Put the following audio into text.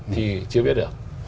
thì chưa biết được